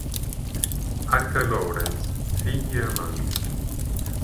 H. Lawrence "Figli e amanti".